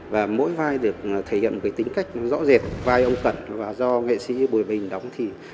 và mỗi vai được thể hiện tính cách rõ rệt vai ông tần và do nghệ sĩ bùi bình đóng